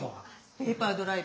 ペーパードライバー。